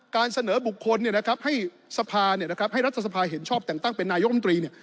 การเสนอบุคคลให้รัฐสภาเห็นชอบแต่งตั้งเป็นนายกรรมตรี